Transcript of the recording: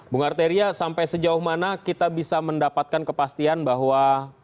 bung arteria sampai sejauh mana kita bisa mendapatkan kepastian bahwa